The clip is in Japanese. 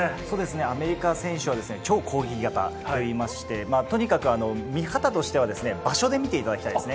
アメリカ選手は超攻撃型でありまして、とにかく見方としては場所で見ていただきたいです。